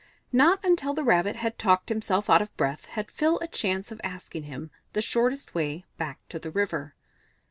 Not until the Rabbit had talked himself out of breath had Phil a chance of asking him the shortest way back to the river.